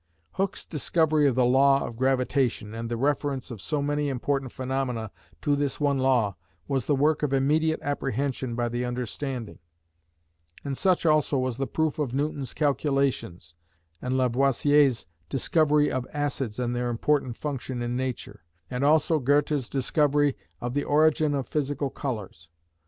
Hooke's discovery of the law of gravitation, and the reference of so many important phenomena to this one law, was the work of immediate apprehension by the understanding; and such also was the proof of Newton's calculations, and Lavoisier's discovery of acids and their important function in nature, and also Goethe's discovery of the origin of physical colours.